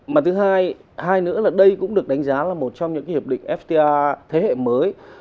mà thứ hai hai nữa là đây cũng được đánh giá là một trong những hiệp định fta thế hệ mới